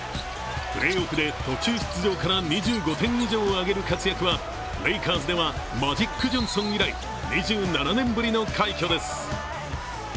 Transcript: プレーオフで途中出場から２５点以上をあげる活躍はレイカーズではマジック・ジョンソン以来２７年ぶりの快挙です。